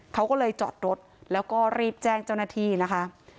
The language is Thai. เขาก็เลยจอดรถแล้วก็รีบแจ้งเจ้าหน้าที่นะคะ